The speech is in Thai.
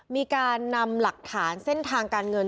มีการนำหลักฐานเส้นทางการเงิน